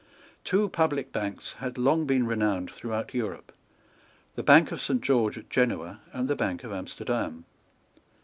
Two public banks had long been renowned throughout Europe, the Bank of Saint George at Genoa, and the Bank of Amsterdam.